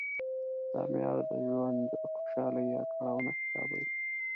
دا معیار د ژوند خوشالي یا کړاو نه حسابوي.